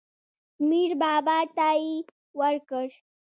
میر بابا ته یې ورکړ.